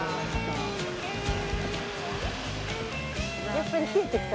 やっぱり冷えてきたね。